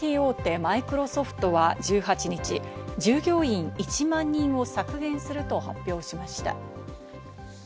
マイクロソフトは１８日、従業員１万人を削減すると発表しました。